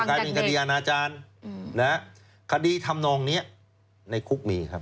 กลายเป็นคดีอาณาจารย์นะฮะคดีทำนองนี้ในคุกมีครับ